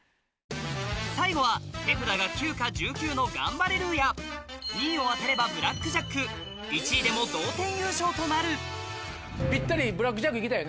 最後は手札が９か１９のガンバレルーヤ２位を当てればブラックジャック１位でも同点優勝となるぴったり。